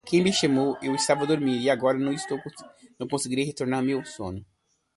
Quem me chamou, eu estava dormindo e agora não conseguirei retomar meu sono.